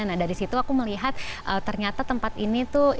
nah dari situ aku melihat ternyata tempat ini tuh